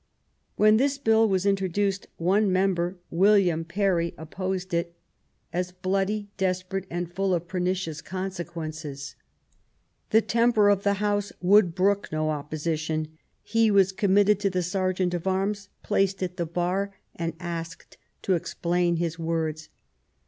When this Bill was introduced, one member, William Parry, opposed it as " bloody, desperate and full of pernicious consequences ". The temper THE CRISIS. 215 of the House would brook no opposition ; he was committed to the sergeant at arms, placed at the bar, and asked to explain his words.